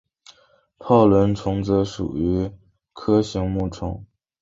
泡轮虫属则属于核形虫目。